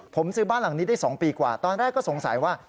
ผมซื้อบ้านหลังนี้ได้๒ปีกว่าตอนแรกก็สงสัยว่า